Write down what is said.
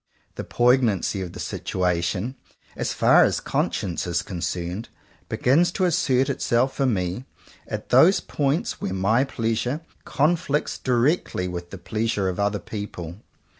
The poignancy of the situation, as far as conscience is concerned, begins to assert itself for me at those points where my Pleasure conflicts directly with the Pleasure of other people.